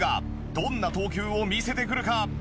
どんな投球を見せてくるか？